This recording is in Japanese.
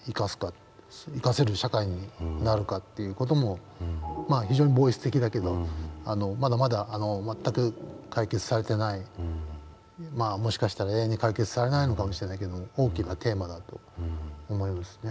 生かせる社会になるかという事も非常にボイス的だけどまだまだ全く解決されてないもしかしたら永遠に解決されないのかもしれないけど大きなテーマだと思いますね。